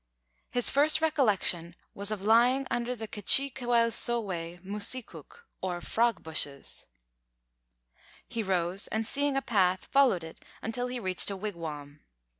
His first recollection was of lying under the "k'chīquelsowe mūsikūk," or frog bushes. He rose, and, seeing a path, followed it until he reached a wigwam.